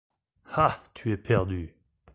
Ah ! tu es perdue.